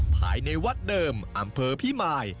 ภายในวัดเดิมอำเภอพิมาย